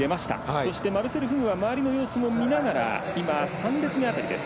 そして、マルセル・フグが周りの様子を見ながら３列目辺りです。